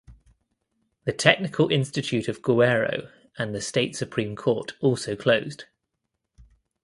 The Technical Institute of Guerrero and the state Supreme Court also closed.